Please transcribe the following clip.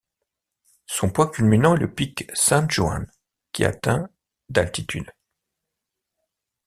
Son point culminant est le pic San Juan qui atteint d'altitude.